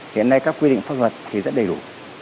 hiện nay các quy định pháp luật thì rất đầy đủ